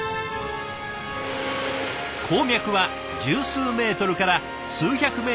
鉱脈は十数メートルから数百メートルに及ぶものまで。